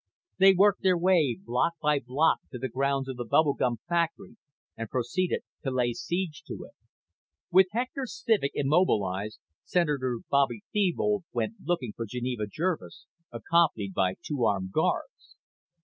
They worked their way block by block to the grounds of the bubble gum factory and proceeded to lay siege to it. With Hector Civek immobilized, Senator Bobby Thebold went looking for Geneva Jervis, accompanied by two armed guards.